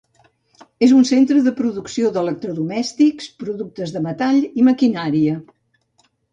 És un centre de producció d'electrodomèstics, productes de metall, i maquinària.